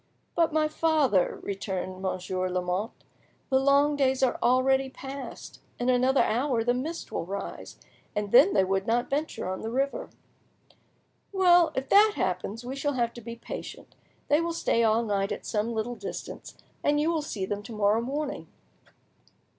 "But, my father," returned Monsieur de Lamotte, "the long days are already past. In another hour the mist will rise, and then they would not venture on the river." "Well, if that happens, we shall have to be patient; they will stay all night at some little distance, and you will see them to morrow morning."